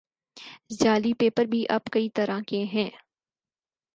جعلی پیر بھی اب کئی طرح کے ہیں۔